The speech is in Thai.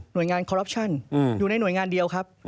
โดยงานคอรัปชั่นอยู่ในหน่วยงานเดียวครับ